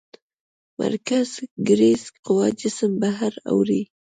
مرکزګریز قوه جسم بهر اړوي.